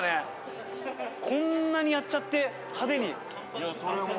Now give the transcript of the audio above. こんなにやっちゃって派手に。